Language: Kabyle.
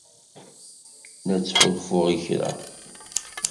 La ttḥulfuɣ i kra.